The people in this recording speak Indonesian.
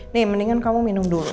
nih mendingan kamu minum dulu